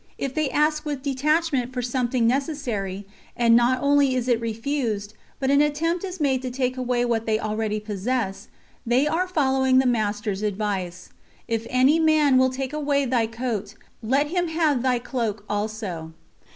If they ask with detachment for something necessary, and not only is it refused, but an attempt is made to take away what they already possess, they are following the Master's advice: "If any man will take away thy coat, let him have thy cloak also."